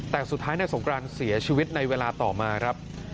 แต่สุดท้ายนายสงกรานเสียชีวิตในเวลาต่อมาครับ